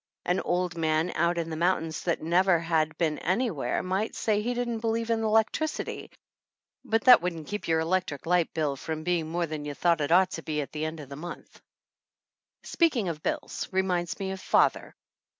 An old man out in the mountains that had never been anywhere might say he didn't believe in electricity, but that wouldn't keep your electric light bill from be ing more than you thought it ought to be at the end of the month. Speaking of bills reminds me of father.